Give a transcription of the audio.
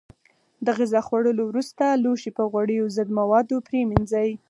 د غذا خوړلو وروسته لوښي په غوړیو ضد موادو پرېمنځئ.